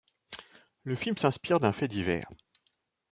Le film s'inspire d'un fait divers.